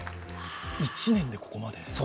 １年でここまで。